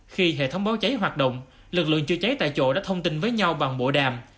khi hệ thống báo cháy hoạt động lực lượng chữa cháy tại chỗ đã thông tin với nhau bằng bộ đàm